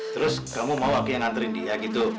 terus kamu mau wakilnya nganterin dia gitu